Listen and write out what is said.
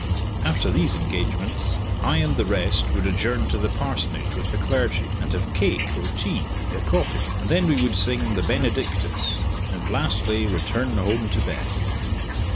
After these engagements, I and the rest would adjourn to the parsonage with the clergy, and have cake, or tea, or coffee, and then we would sing the "Benedictus," and, lastly, return home to bed.